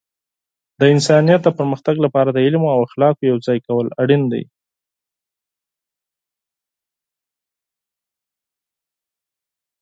د انسانیت د پرمختګ لپاره د علم او اخلاقو یوځای کول اړین دي.